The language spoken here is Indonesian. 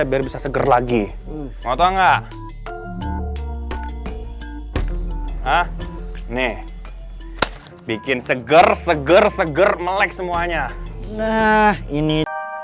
biar bisa seger lagi motong enggak nih bikin seger seger seger melek semuanya nah ini